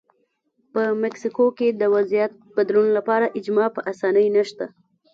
په مکسیکو کې د وضعیت بدلون لپاره اجماع په اسانۍ نشته.